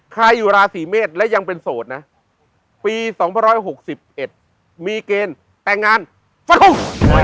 ใครอยู่ราศีเมษและยังเป็นโสดนะปี๒๖๑มีเกณฑ์แต่งงานเฝ้า